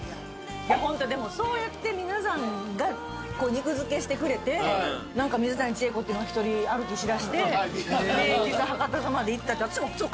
ホントでもそうやって皆さんが肉付けしてくれて水谷千重子っていうのが一人歩きしだして明治座博多座までいった。